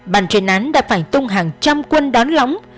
bàn truyền án đã phải tung hàng trăm quân đón lóng